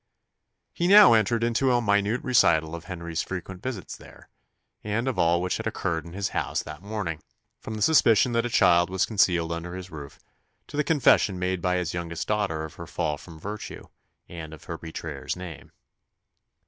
He now entered into a minute recital of Henry's frequent visits there, and of all which had occurred in his house that morning, from the suspicion that a child was concealed under his roof, to the confession made by his youngest daughter of her fall from virtue, and of her betrayer's name.